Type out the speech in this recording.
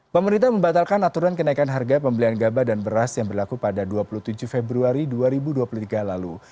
pemerintah membatalkan aturan kenaikan harga pembelian gabah dan beras yang berlaku pada dua puluh tujuh februari dua ribu dua puluh tiga lalu